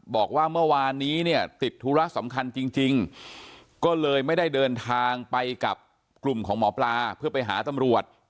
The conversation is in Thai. บอกว่าเมื่อวานนี้เนี่ยติดธุระสำคัญจริงก็เลยไม่ได้เดินทางไปกับกลุ่มของหมอปลาเพื่อไปหาตำรวจ